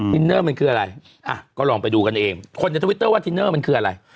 อินเนอร์มันคืออะไรอ่ะก็ลองไปดูกันเองคนในทวิตเตอร์ว่าทินเนอร์มันคืออะไร